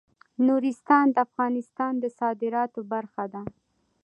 نورستان د افغانستان د صادراتو برخه ده.